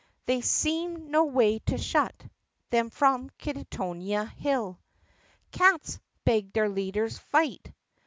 There seemed no way to shut Them from Kittonia Hill. "Cats!" begged their leaders, "fight!